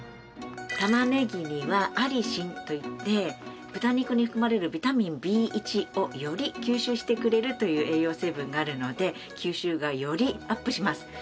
玉ねぎにはアリシンといって豚肉に含まれるビタミンＢ１をより吸収してくれるという栄養成分があるので吸収がよりアップします。